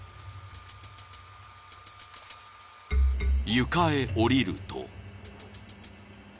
［床へ下りると］